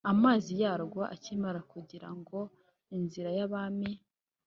Amazi yarwo akamira kugira ngo inzira y’abami